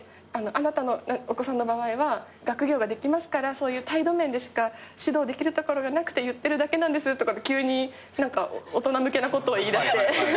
あなたのお子さんの場合は学業ができますからそういう態度面でしか指導できるところがなくて言ってるだけなんですとかって急に何か大人向けなことを言いだして。